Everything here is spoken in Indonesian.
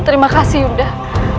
terima kasih sudah